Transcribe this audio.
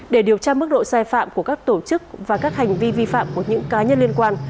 để điều tra mức độ sai phạm của các tổ chức và các hành vi vi phạm của những cá nhân liên quan